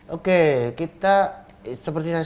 oke kita seperti saya